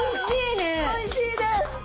おいしいです！